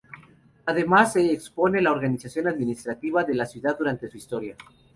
Además, se expone la organización administrativa de la ciudad durante su historia.